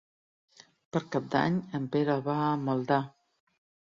Per Cap d'Any en Pere va a Maldà.